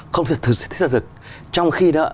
không thực sự thiết thực trong khi đó